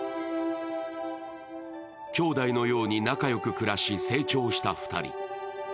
きょうだいのように仲良く暮らし成長した２人。